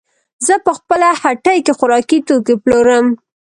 زه په خپله هټۍ کې خوراکي توکې پلورم.